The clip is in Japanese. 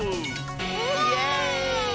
イエーイ！